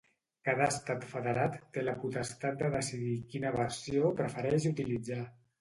Cada estat federat té la potestat de decidir quina versió prefereix utilitzar.